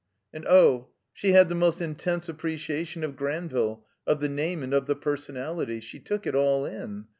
And oh ! she had the most intense appreciation of Granville, of the name and of the personality. She took it all in.